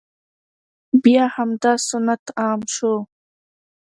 بیا همدا سنت عام شو،